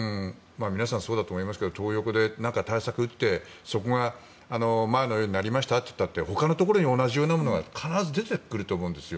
皆さんそうだと思いますがトー横で何か対策を打ってそこが前のようになりましたと言ったってほかのところに同じようなものは必ず出てくると思うんです。